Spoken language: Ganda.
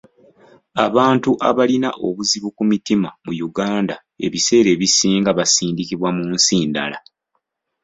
Abantu abalina obuzibu ku mitima mu Uganda ebiseera ebisinga basindikibwa mu nsi ndala.